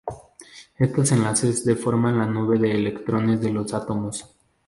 Estos enlaces deforman la nube de electrones de los átomos.